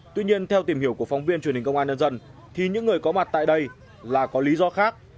tuy nhiên theo tìm hiểu của phóng viên truyền hình công an nhân dân thì những người có mặt tại đây là có lý do khác